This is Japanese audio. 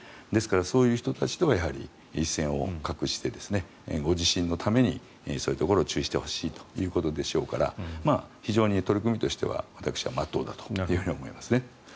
ですからそういう人たちとはやはり一線を画してご自身のためにそういうところを注意してほしいということでしょうから非常に取り組みとしては私はまっとうだと思いますね。